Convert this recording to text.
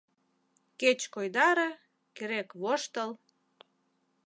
Кеч койдаре, керек воштыл.